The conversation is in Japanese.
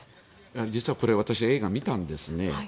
実はこれ、私映画、見たんですね。